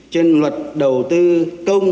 trên luật đầu tư công